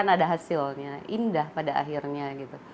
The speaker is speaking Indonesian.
dan itu adalah hasilnya indah pada akhirnya